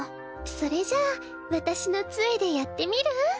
それじゃあ私の杖でやってみる？